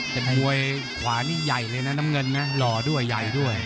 แต่มวยขวานี่ใหญ่เลยนะน้ำเงินนะหล่อด้วยใหญ่ด้วย